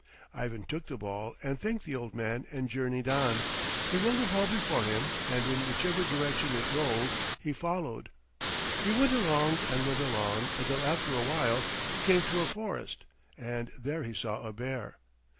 Ivan took the ball and thanked the old man and journeyed on. He rolled the ball before him, and in whichever direction it rolled he followed. He went along and went along, until after a while he came to a forest, and there he saw a bear.